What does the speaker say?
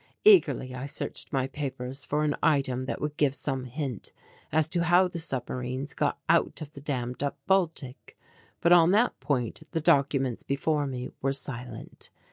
Eagerly I searched my papers for an item that would give some hint as to how the submarines got out of the dammed up Baltic. But on that point the documents before me were silent.